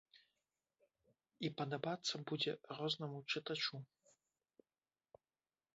І падабацца будзе рознаму чытачу.